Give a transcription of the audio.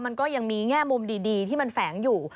มันก็ยังมีแง่มุมดีที่มันแฝงอยู่